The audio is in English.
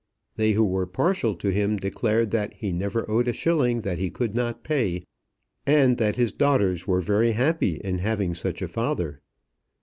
They who were partial to him declared that he never owed a shilling that he could not pay, and that his daughters were very happy in having such a father.